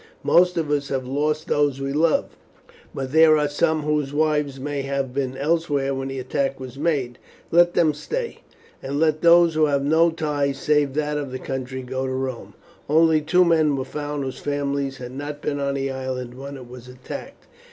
Most of us have lost those we love, but there are some whose wives may have been elsewhere when the attack was made. Let these stay, and let those who have no ties save that of country go to Rome." Only two men were found whose families had not been on the island when it was attacked.